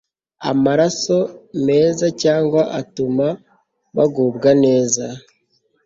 amaraso meza cyangwa atuma bagubwa neza